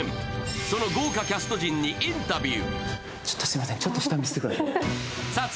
その豪華キャスト陣にインタビュー。